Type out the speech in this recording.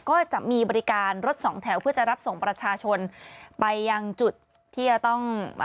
ก็จะมีบริการรถสองแถวเพื่อจะรับส่งประชาชนไปยังจุดที่จะต้อง